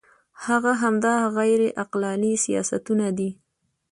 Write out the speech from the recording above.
هغه همدا غیر عقلاني سیاستونه دي.